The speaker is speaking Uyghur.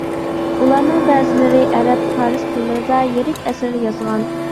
ئۇلارنىڭ بەزىلىرى ئەرەب، پارس تىللىرىدا يىرىك ئەسەر يازغان.